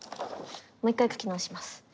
もう一回書き直します。